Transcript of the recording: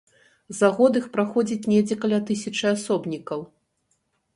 За год іх праходзіць недзе каля тысячы асобнікаў.